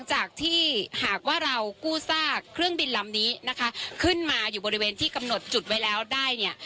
จากที่หากว่าเรากู้ซากเครื่องบินลำนี้นะคะขึ้นมาอยู่บริเวณที่กำหนดจุดไว้แล้วได้เนี่ย